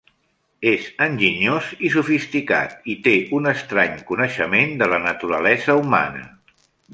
És enginyós i sofisticat i té un estrany coneixement de la naturalesa humana.